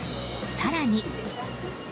更に。